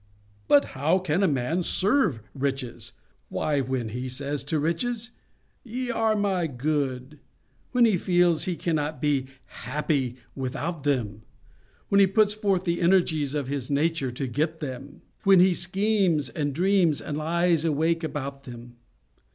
"But how can a man SERVE riches? Why, when he says to riches, 'Ye are my good.' When he feels he cannot be happy without them. When he puts forth the energies of his nature to get them. When he schemes and dreams and lies awake about them.